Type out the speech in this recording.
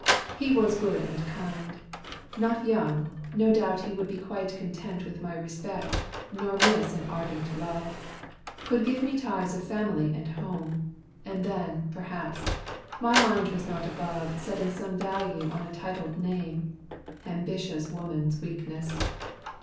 He was good and kind; Not young, no doubt he would be quite content With my respect, nor miss an ardent love; Could give me ties of family and home; And then, perhaps, my mind was not above Setting some value on a titled name Ambitious woman's weakness!